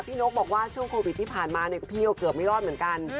นกบอกว่าช่วงโควิดที่ผ่านมาเนี่ยพี่ก็เกือบไม่รอดเหมือนกัน